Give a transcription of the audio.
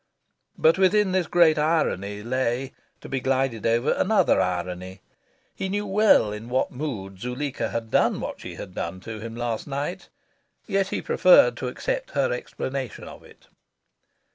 But within this great irony lay (to be glided over) another irony. He knew well in what mood Zuleika had done what she had done to him last night; yet he preferred to accept her explanation of it.